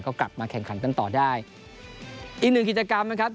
ก็กลับมาแข่งขันกันต่อได้อีกหนึ่งกิจกรรมนะครับ